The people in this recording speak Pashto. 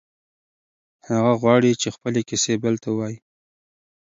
هغه غواړي چې خپلې کیسې بل ته ووایي.